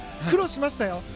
苦労しましたよ。